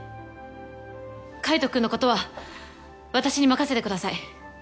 海斗君のことは私に任せてください。